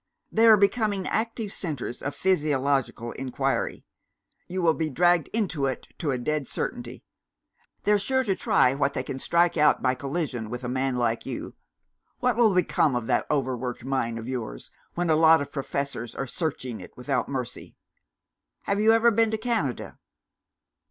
"They are becoming active centres of physiological inquiry. You will be dragged into it, to a dead certainty. They're sure to try what they can strike out by collision with a man like you. What will become of that overworked mind of yours, when a lot of professors are searching it without mercy? Have you ever been to Canada?"